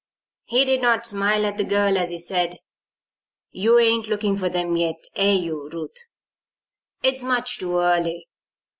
He did not smile at the girl as he said: "You ain't looking for them yet; air you, Ruth? It's much too early.